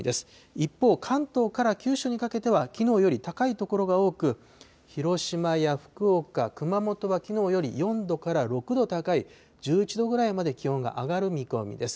一方、関東から九州にかけては、きのうより高い所が多く、広島や福岡、熊本はきのうより４度から６度高い１１度ぐらいまで気温が上がる見込みです。